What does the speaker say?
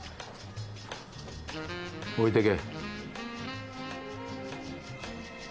置いてけ。